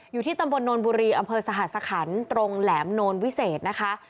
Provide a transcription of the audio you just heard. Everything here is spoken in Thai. อยู่ที่ตำบลโนนบุรีอำเภอสหสคันตรงแหลมโนลวิเศษนะคะ